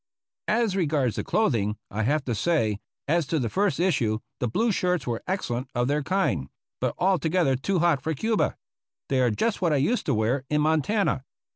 As regards the clothing, I have to say: As to the first issue, the blue shirts were excellent of their kind, but al together too hot for Cuba. They are just what I used to wear in Montana.